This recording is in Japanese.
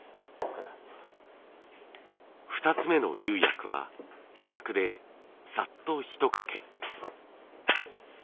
２つ目の釉薬はひしゃくでサッとひとかけ。